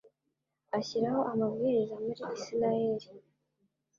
ashyiraho amabwiriza muri Israheli